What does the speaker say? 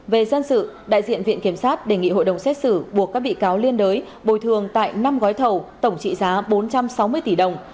về dân sự đại diện viện kiểm sát đề nghị hội đồng xét xử buộc các bị cáo liên đới bồi thường tại năm gói thầu tổng trị giá bốn trăm sáu mươi tỷ đồng